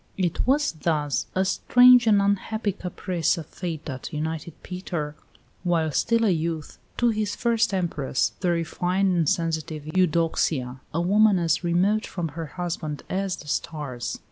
It was thus a strange and unhappy caprice of fate that united Peter, while still a youth, to his first Empress, the refined and sensitive Eudoxia, a woman as remote from her husband as the stars.